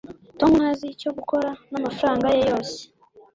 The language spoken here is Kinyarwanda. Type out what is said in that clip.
tom ntazi icyo gukora namafaranga ye yose